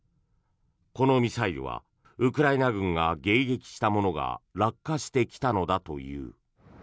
このミサイルはウクライナ軍が迎撃したものが落下してきたのだという。